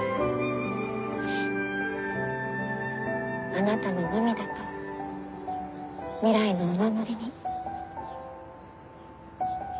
あなたの涙と未来のお守りに。